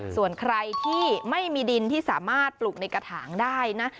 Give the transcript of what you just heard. ส่วนใครที่ไม่มีดินที่สามารถปลูกในกระถางได้นะ